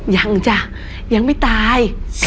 ยังจ้ะยังไม่ตาย